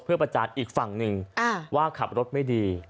เพื่อประจานอีกฝั่งหนึ่งว่าขับรถไม่ดี